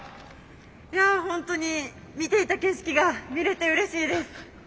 いやホントに見ていた景色が見れてうれしいです。